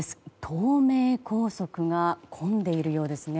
東名高速が混んでいるようですね。